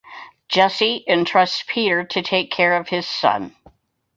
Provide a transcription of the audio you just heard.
Jesse entrusts Peter to take care of his son.